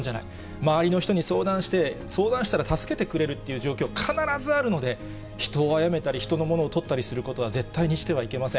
周りの人に相談して、相談したら助けてくれるっていう状況、必ずあるので、人を殺めたり、人の物をとったりすることは、絶対にしてはいけません。